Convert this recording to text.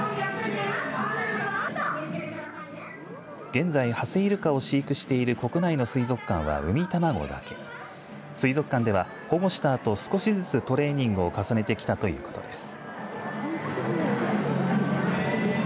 現在、ハセイルカを飼育している国内の水族館はうみたまごだけ、水族館では保護したあと少しずつトレーニングを重ねてきたということです。